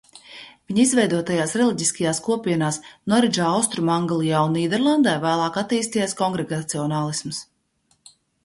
Viņa izveidotajās reliģiskajās kopienās Noridžā, Austrumanglijā un Nīderlandē vēlāk attīstījās kongregacionālisms.